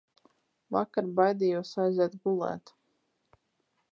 Vakar baidījos aiziet gulēt.